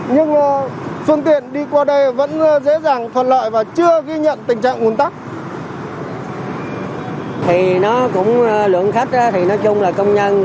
nhưng phương tiện đi qua đây vẫn dễ dàng thuận lợi và chưa ghi nhận tình trạng nguồn tắc